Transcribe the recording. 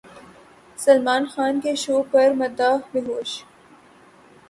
سلمان خان کے شو پر مداح بےہوش